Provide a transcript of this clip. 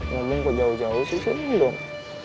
ngomong kok jauh jauh sih seneng dong